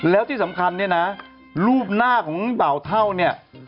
แล้วที่สำคัญเนี่ยนะรูปหน้าของเบาเท่าเนี่ย